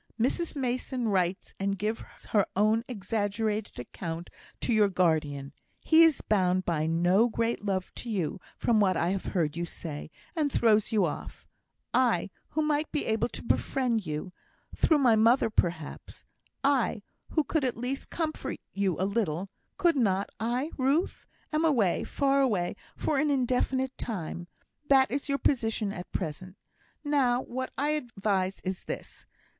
Mrs Mason writes and gives her own exaggerated account to your guardian; he is bound by no great love to you, from what I have heard you say, and throws you off; I, who might be able to befriend you through my mother, perhaps I, who could at least comfort you a little (could not I, Ruth?), am away, far away, for an indefinite time; that is your position at present. Now, what I advise is this.